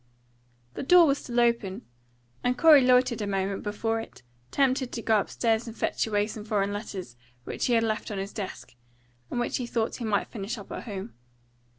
The door was still open, and Corey loitered a moment before it, tempted to go upstairs and fetch away some foreign letters which he had left on his desk, and which he thought he might finish up at home.